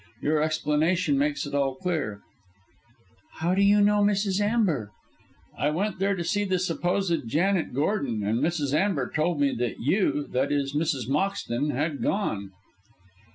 Your explanation makes all clear." "How do you know Mrs. Amber?" "I went there to see the supposed Janet Gordon, and Mrs. Amber told me that you that is Mrs. Moxton had gone."